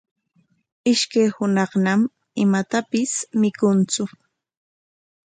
Ishkay hunaqñam imatapis mikuntsu.